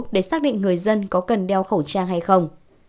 để xác định người dân có cần đeo khẩu trang hay không